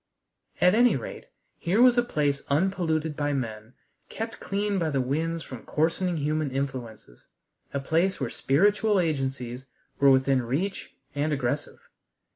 At any rate, here was a place unpolluted by men, kept clean by the winds from coarsening human influences, a place where spiritual agencies were within reach and aggressive.